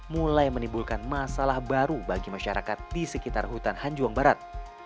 mulai menimbulkan masalah baru bagi masyarakat di sekitar hutan hanjuang barat